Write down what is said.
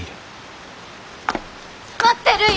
待ってるい！